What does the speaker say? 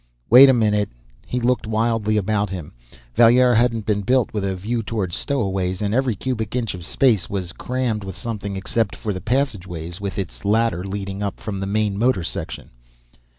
"Wait a minute." He looked wildly about him. Valier hadn't been built with a view toward stowaways; and every cubic inch of space was crammed with something, except for the passageway with its ladder, leading up from the main motor section.